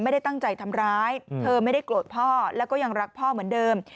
ไม่ได้ตั้งใจทำร้ายเธอไม่ได้โกรธพ่อแล้วก็ยังรักพ่อเหมือนเดิม